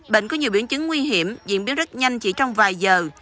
bệnh có nhiều biển chứng nguy hiểm diễn biến rất nhanh chỉ trong vài giờ